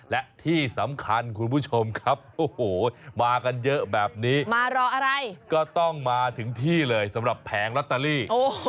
และที่สำคัญคุณผู้ชมครับโอ้โหมากันเยอะแบบนี้มารออะไรก็ต้องมาถึงที่เลยสำหรับแผงลอตเตอรี่